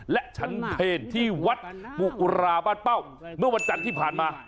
และฉันเพลที่วัดบุกุราบ้านเป้าเมื่อวันจันทร์ที่ผ่านมา